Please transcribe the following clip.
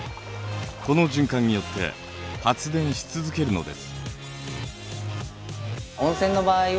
この循環によって発電し続けるのです。